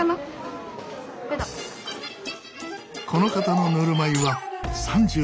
この方のぬるま湯は３６．１℃。